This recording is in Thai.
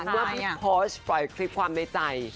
เมื่อพี่โพสต์ปล่อยคลิปความในใจ